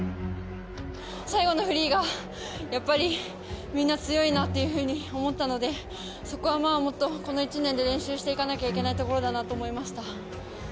最後のフリーがやっぱりみんな強いなって思ったのでそこはもっと、この１年で練習していかなきゃいけないところだなと思いました。